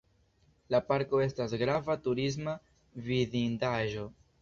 La parko estas grava turisma vidindaĵo.